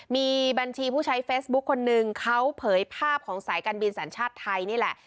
มีบัญชีผู้ใช้เฟซบุ๊คคนนึงเขาเผยภาพของสายการบินสัญชาติไทยนี่แหละ